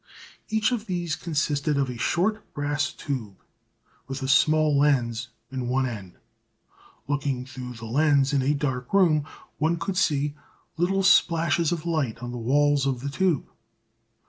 Each of these consisted of a short brass tube with a small lens in one end. Looking through the lens in a dark room, one could see little splashes of light on the walls of the tube.